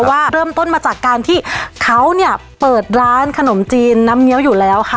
ว่าเริ่มต้นมาจากการที่เขาเนี่ยเปิดร้านขนมจีนน้ำเงี้ยวอยู่แล้วค่ะ